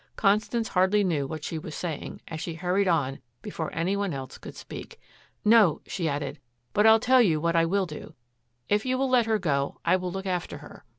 Constance hardly knew what she was saying, as she hurried on before any one else could speak. "No," she added, "but I'll tell you what I will do. If you will let her go I will look after her.